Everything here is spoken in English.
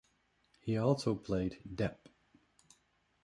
He also played Dep.